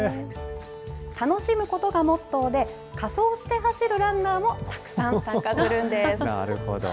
楽しむことがモットーで、仮装して走るランナーもたくさん参加するんです。